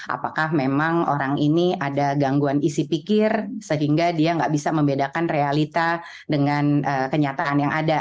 apakah memang orang ini ada gangguan isi pikir sehingga dia nggak bisa membedakan realita dengan kenyataan yang ada